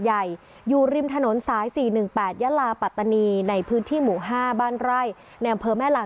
อยู่ริมถนนสาย๔๑๘ยะลาปัตตานีในพื้นที่หมู่๕บ้านไร่ในอำเภอแม่ลา